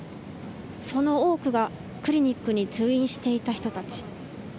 その多くがクリニックに通院していた人たち。